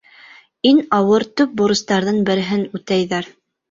Иң ауыр, төп бурыстарҙың береһен үтәйҙәр.